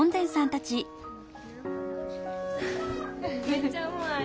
めっちゃうまい。